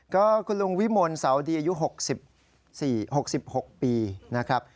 ก็คุณลุงวิมลเสาดีอายุ๖๖ปีนะครับ